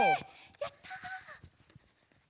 やった！